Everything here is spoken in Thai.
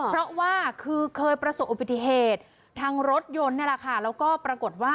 เพราะว่าคือเคยประสบปิถีเหตุทางรถยนต์แล้วก็ปรากฎว่า